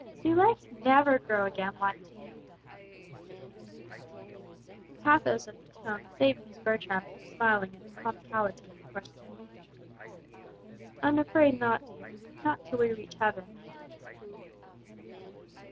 "Do legs never grow again like teeth?" The pathos of tone saved Miss Bertram from smiling at the comicality of the question. "I'm afraid not, dear. Not until we reach heaven."